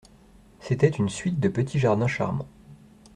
C'était une suite de petits jardins charmans.